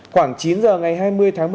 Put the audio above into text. khoảng chín h ngày hai mươi tháng một mươi một